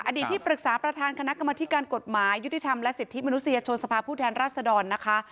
ที่ปรึกษาประธานคณะกรรมธิการกฎหมายยุติธรรมและสิทธิมนุษยชนสภาพผู้แทนรัศดรนะคะ